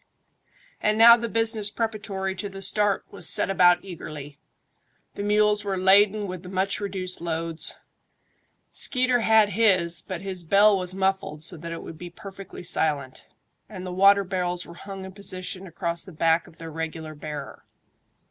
And now the business preparatory to the start was set about eagerly. The mules were laden with the much reduced loads. Skeeter had his, but his bell was muffled so that it would be perfectly silent, and the water barrels were hung in position across the back of their regular bearer.